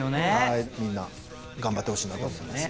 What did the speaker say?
みんな頑張ってほしいなと思います。